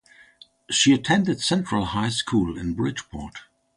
She attended Central High School in Bridgeport.